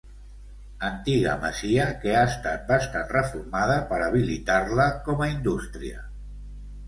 Antiga masia que ha estat bastant reformada per habilitar-la com a indústria.